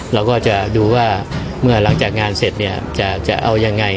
เราก็จะดูว่าเมื่อหลังจากงานเสร็จเนี่ยจะเอายังไง